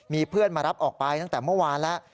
มีเพื่อนมารับออกไปตั้งแต่เมื่อวานแล้ว